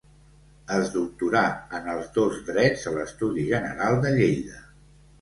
Es doctorà en els dos drets a l'Estudi General de Lleida.